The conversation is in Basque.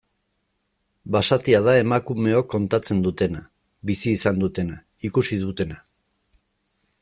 Basatia da emakumeok kontatzen dutena, bizi izan dutena, ikusi dutena.